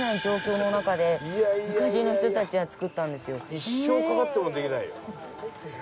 一生かかってもできないよ。